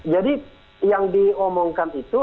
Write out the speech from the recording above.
jadi yang diomongkan itu